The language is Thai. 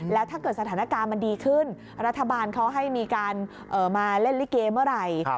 แล้วถ้าเกิดสถานการณ์มันดีขึ้นรัฐบาลเขาให้มีการมาเล่นลิเกเมื่อไหร่